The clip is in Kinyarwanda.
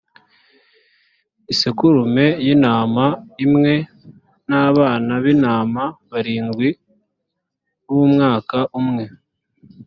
isekurume y’intama imwe, n’abana b’intama barindwi b’umwaka umwe;